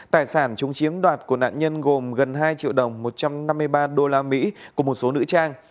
tài sản chúng chiếm đoạt của nạn nhân gồm gần hai triệu đồng một trăm năm mươi ba usd của một số nữ trang